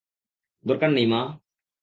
দরকার নেই, মা।